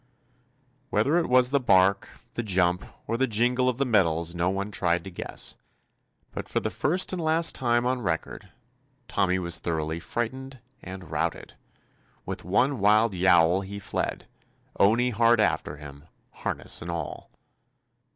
Whether it was the bark, the jump, or the jingle of the medals no one tried to guess, but for the first and last time on record. Tommy was thor oughly frightened and routed; with one wild yowl he fled, Owney hard after him, harness and all.